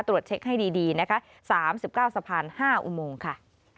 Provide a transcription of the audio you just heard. ตรวจเช็คให้ดีนะคะ๓๙สะพาน๕อุโมงค่ะ